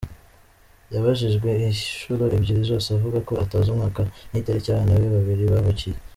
Yabajijwe inshyuro ebyiri zose avuga ko atazi umwaka n’itariki abana be babiri bavukiye.